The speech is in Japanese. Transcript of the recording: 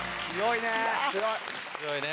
強いね。